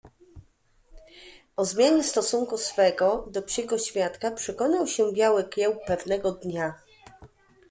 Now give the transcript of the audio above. O zmianie stosunku swego do psiego światka przekonał się Biały Kieł pewnego dnia